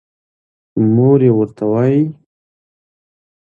مور يې ورته وايې